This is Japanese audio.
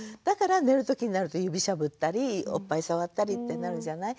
だから寝る時になると指しゃぶったりおっぱい触ったりってなるじゃない。